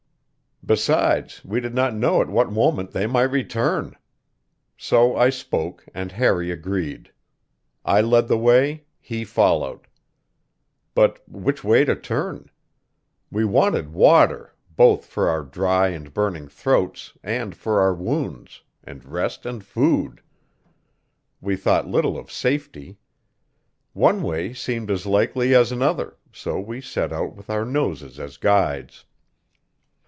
Besides, we did not know at what moment they might return. So I spoke, and Harry agreed. I led the way; he followed. But which way to turn? We wanted water, both for our dry and burning throats and for our wounds; and rest and food. We thought little of safety. One way seemed as likely as another, so we set out with our noses as guides.